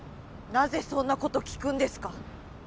なぜそんなこと聞くんですか？